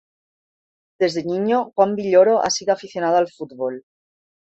Desde niño, Juan Villoro ha sido aficionado al fútbol.